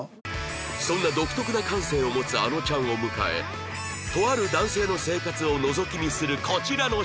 そんな独特な感性を持つあのちゃんを迎えとある男性の生活をのぞき見するこちらの新企画から